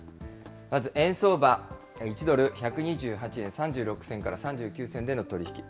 まず円相場、１ドル１２８円３６銭から３９銭での取り引き。